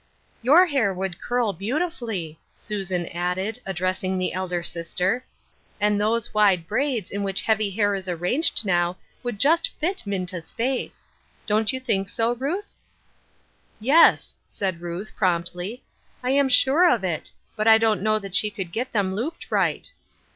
" Your hair would curl beautifully," Susan added, addressing the elder sister. " And those wide braids in which heavy hair is arranged now would just fit Minta's face. Don't you think so, Ruth ?"" Yes," said Ruth, promptly, " I am sure of it. But I don't know that she could get them looped right."